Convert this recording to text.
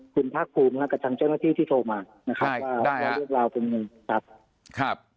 คุณพักภูมิข้างทางเช่นนที่ที่โทรมาได้ครับ